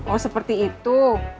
oh seperti itu